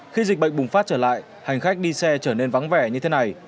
khi dịch bệnh bùng phát trở lại hành khách đi xe trở nên vắng vẻ như thế này